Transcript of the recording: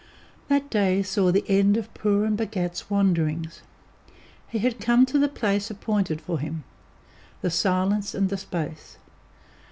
That day saw the end of Purun Bhagat's wanderings. He had come to the place appointed for him the silence and the space.